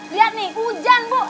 lihat nih hujan bu